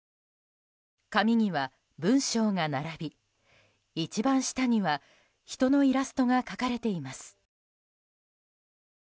紙には文章が並び一番下には人のイラストが描かれています。